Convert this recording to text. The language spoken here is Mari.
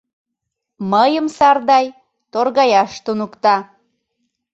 Мыйым Сардай торгаяш туныкта.